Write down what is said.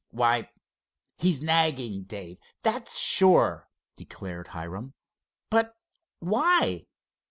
"Why, he's nagging Dave, that's sure," declared Hiram. "But why?